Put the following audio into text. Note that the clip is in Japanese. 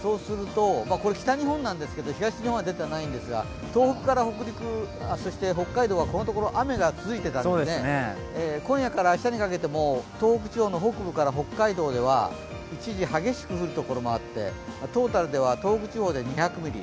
北日本なんですけど、東日本はデータがないんですが東北から北陸、そして北海道がここのところ雨が続いてたんですが今夜から明日にかけても東北地方の北部から北海道では一時、激しく降る所もあって、トータルでは東北地方で２００ミリ